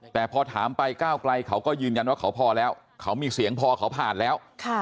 แต่พอถามไปก้าวไกลเขาก็ยืนยันว่าเขาพอแล้วเขามีเสียงพอเขาผ่านแล้ว